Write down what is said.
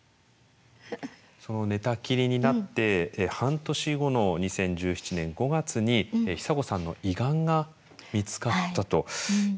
その寝たきりになって半年後の２０１７年５月に久子さんの胃がんが見つかったということで。